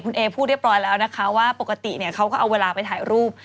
คุณเอพูดเรียบร้อยแล้วนะคะว่าปกติเนี่ยเขาก็เอาเวลาไปถ่ายรูป